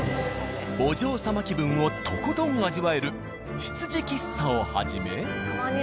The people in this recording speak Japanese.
お嬢様気分をとことん味わえる執事喫茶をはじめ。